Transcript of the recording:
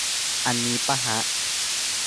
อันนี้ปะฮะ